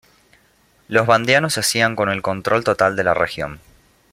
Los vandeanos se hacían con el control total de la región.